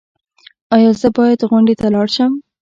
ایا زه باید غونډې ته لاړ شم؟